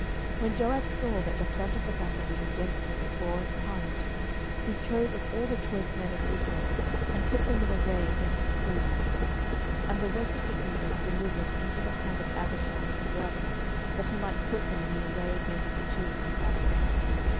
10:010:009 When Joab saw that the front of the battle was against him before and behind, he chose of all the choice men of Israel, and put them in array against the Syrians: 10:010:010 And the rest of the people he delivered into the hand of Abishai his brother, that he might put them in array against the children of Ammon.